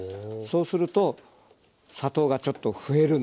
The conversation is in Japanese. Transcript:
そうすると砂糖がちょっと増えるんですよ。